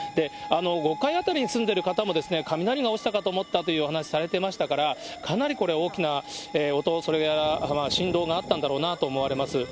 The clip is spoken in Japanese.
５階辺りに住んでいる方も、雷が落ちたかと思ったというお話されてましたから、かなりこれ、大きな音、それから振動があったんだろうなと思われます。